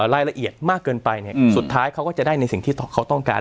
รายละเอียดมากเกินไปสุดท้ายเขาก็จะได้ในสิ่งที่เขาต้องการ